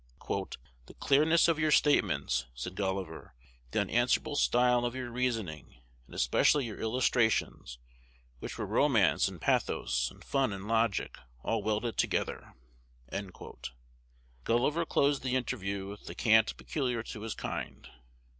"The clearness of your statements," said Gulliver, "the unanswerable style of your reasoning, and especially your illustrations, which were romance and pathos, and fun and logic, all welded together." Gulliver closed the interview with the cant peculiar to his kind.